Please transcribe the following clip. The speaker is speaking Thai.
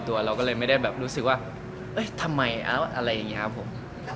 แต่ก็ไม่รู้เหมือนกันว่าต้องถึงตอนไหนครับ